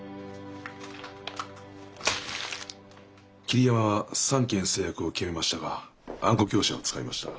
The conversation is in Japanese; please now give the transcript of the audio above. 桐山は３件成約を決めましたがあんこ業者を使いました。